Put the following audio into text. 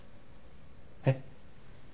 えっ？